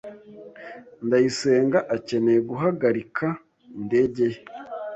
Ndayisenga akeneye guhagarika indege ye.